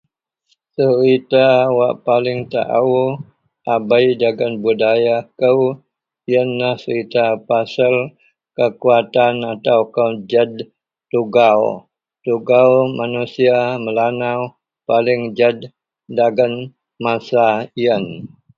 serita wak paling taau a bei dagen budaya kou ienlah Serita pasel kekuatan atau kow jed tugau, tugau manusia melanau paling jed dagen masa ien